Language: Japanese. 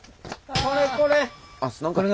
これこれ！